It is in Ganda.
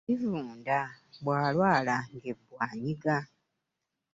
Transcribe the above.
Bivunda bw'alwala nga ebbwa anyiga ,